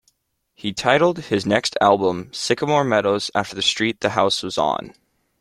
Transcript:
He titled his next album "Sycamore Meadows" after the street the house was on.